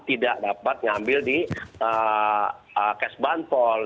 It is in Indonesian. tidak dapat ngambil di ks bantol